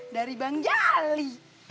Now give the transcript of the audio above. dari bang jali